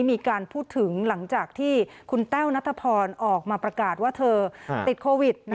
มีการพูดถึงหลังจากที่คุณแต้วนัทพรออกมาประกาศว่าเธอติดโควิด